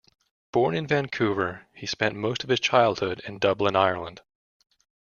Born in Vancouver, he spent most of this childhood in Dublin, Ireland.